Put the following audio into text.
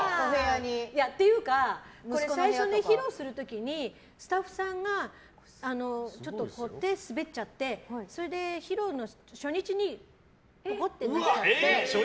っていうか、最初披露する時にスタッフさんが手滑っちゃってそれで披露の初日にポコッとなっちゃって。